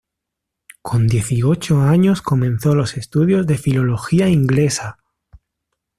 Con dieciocho años comenzó los estudios de filología inglesa.